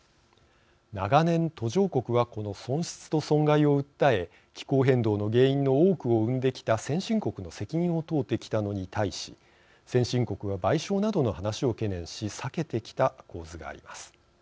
長年、途上国はこの損失と損害を訴え気候変動の原因の多くを生んできた先進国の責任を問うてきたのに対し先進国は賠償などの話を懸念し避けてきた構図があります。